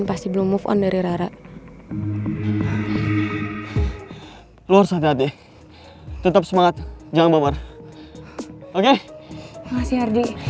pasti belum move on dari rara luar sana deh tetap semangat jangan bawa oke masih ardi